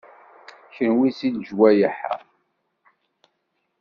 Kenwi seg lejwayeh-a?